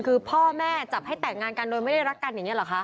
คือพ่อแม่จับให้แต่งงานกันโดยไม่ได้รักกันอย่างนี้เหรอคะ